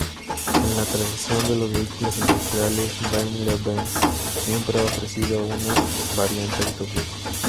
En la tradición de los vehículos industriales, Daimler-Benz siempre ha ofrecido una variante autobús.